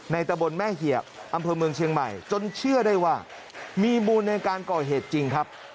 ตะบนแม่เหียบอำเภอเมืองเชียงใหม่จนเชื่อได้ว่ามีมูลในการก่อเหตุจริงครับ